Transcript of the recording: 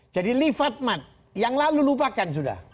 jadi leave at mat yang lalu lupakan sudah